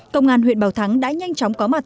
công an huyện bảo thắng đã nhanh chóng có mặt